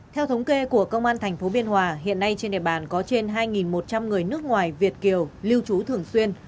theo thống kê của công an tp biên hòa hiện nay trên địa bàn có trên hai một trăm linh người nước ngoài việt kiều lưu trú thường xuyên